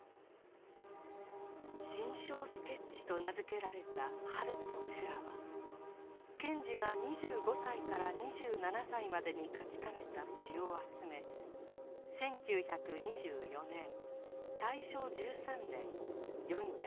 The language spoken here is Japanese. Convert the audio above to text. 「心象スケッチ」と名付けられた「春と修羅」は賢治が２５歳から２７歳までに書きためた詩を集め１９２４年大正１３年世に出されました。